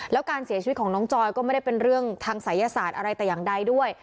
แล้วการเสียชีวิตของน้องจอยก็ไม่ได้เป็นเรื่องทางศัยศาสตร์อะไรแต่อย่างใดด้วย